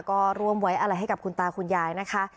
ก็ร่วมไว้อะไรให้กับคุณตาคุณยายนะคะ